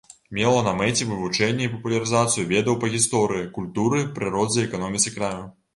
Мела на мэце вывучэнне і папулярызацыю ведаў па гісторыі, культуры, прыродзе і эканоміцы краю.